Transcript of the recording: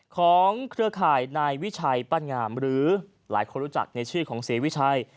เครือข่ายนายวิชัยปั้นงามหรือหลายคนรู้จักในชื่อของเสียวิชัย